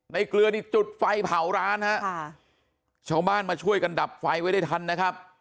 เกลือนี่จุดไฟเผาร้านฮะค่ะชาวบ้านมาช่วยกันดับไฟไว้ได้ทันนะครับ